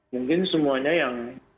mungkin semuanya yang